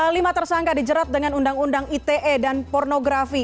lima tersangka dijerat dengan undang undang ite dan pornografi